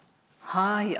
はい。